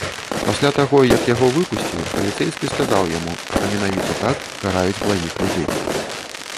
Пасля таго, як яго выпусцілі, паліцэйскі сказаў яму, што менавіта так караюць благіх людзей.